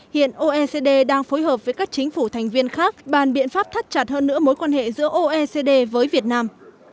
hiện oecd đang phối hợp với các chính phủ thành viên khác bàn biện pháp thắt chặt hơn nữa mối quan hệ giữa oecd với việt nam